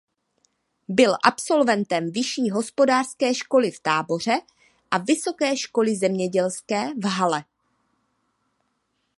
Byl absolventem vyšší hospodářské školy v Táboře a vysoké školy zemědělské v Halle.